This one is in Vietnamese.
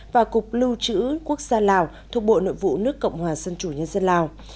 và cục lưu trữ quốc gia lào thuộc bộ nội vụ nước cộng hòa dân chủ nhân dân lào